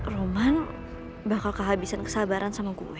roman bakal kehabisan kesabaran sama gue